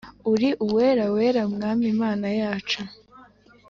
Uri Uwera Uwera, Mwami Mana yacu,